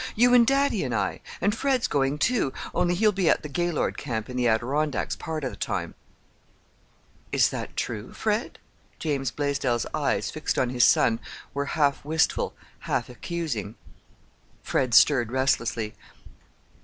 You and daddy and I. And Fred's going, too, only he'll be at the Gaylord camp in the Adirondacks, part of the time." "Is that true, Fred?" James Blaisdell's eyes, fixed on his son, were half wistful, half accusing. Fred stirred restlessly.